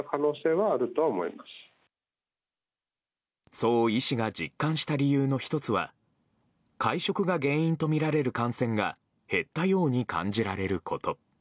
そう医師が実感した理由の１つは会食が原因とみられる感染が減ったように感じられること。